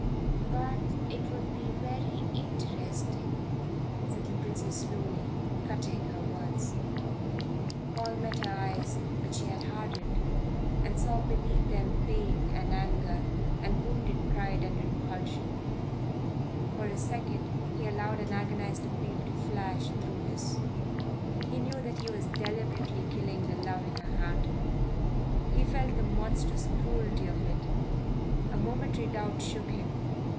"But it would be very interesting," said the Princess slowly, cutting her words. Paul met her eyes, which she had hardened, and saw beneath them pain and anger and wounded pride and repulsion. For a second he allowed an agonized appeal to flash through his. He knew that he was deliberately killing the love in her heart. He felt the monstrous cruelty of it. A momentary doubt shook him.